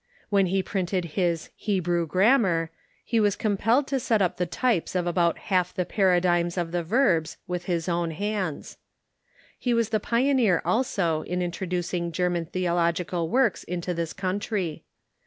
AVhen he printed his "Hebrew Grammar" he was compelled to set up the types of about half the para digms of the verbs with his own hands. He was the pioneer also in introducing German theological w^orks into this country.